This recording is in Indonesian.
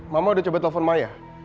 mama udah coba telepon maya